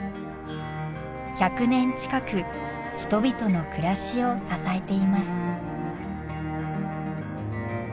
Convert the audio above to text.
１００年近く人々の暮らしを支えています。